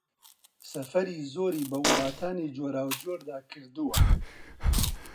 سەفەری زۆری بە وڵاتانی جۆراوجۆردا کردووە